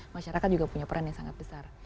masyarakat juga punya peran yang sangat besar